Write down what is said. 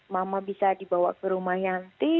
mama bisa dibawa ke rumah yanti